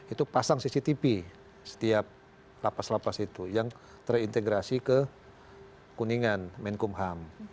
itu pasang cctv setiap lapas lapas itu yang terintegrasi ke kuningan menkumham